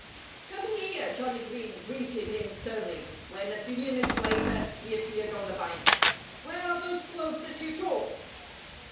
"Come here!" Johnnie Green greeted him sternly when, a few minutes later, he appeared on the bank. "Where are those clothes that you took?"